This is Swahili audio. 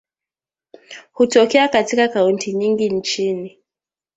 Hutokea katika kaunti nyingi nchini